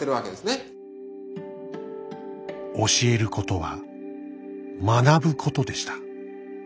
「教えることは学ぶことでした。